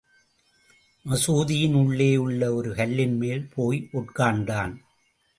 மசூதியின் உள்ளேயுள்ள ஒரு கல்லின்மேல் போய் உட்கார்ந்தான்.